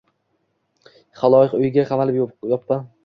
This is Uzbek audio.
Xaloyiq uyiga qamalib yoppa